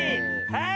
はい！